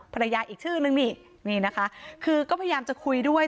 อีกชื่อนึงนี่นี่นะคะคือก็พยายามจะคุยด้วย